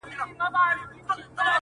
او قاضي ته یې د میني حال بیان کړ!!